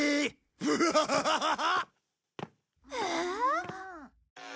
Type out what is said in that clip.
ハハハハ！